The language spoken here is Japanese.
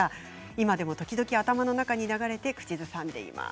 今でも時々、頭の中に流れて口ずさんでいます。